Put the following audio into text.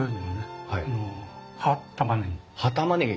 葉たまねぎ。